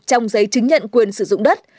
trong giấy chứng nhận quyền sử dụng đất